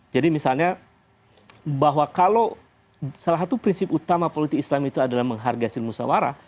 jadi misalnya bahwa kalau salah satu prinsip utama politik islam itu adalah menghargai musawarah